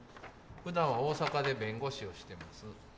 ふだん大阪で弁護士をしています。